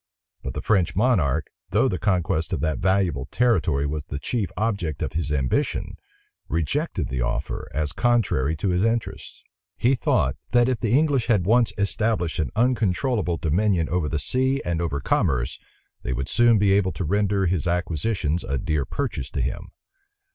[*] But the French monarch, though the conquest of that valuable territory was the chief object of his ambition, rejected the offer as contrary to his interests: he thought, that if the English had once established an uncontrollable dominion over the sea and over commerce, they would soon be able to render his acquisitions a dear purchase to him.